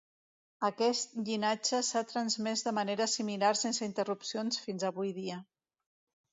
Aquest llinatge s'ha transmès de manera similar sense interrupcions fins avui dia.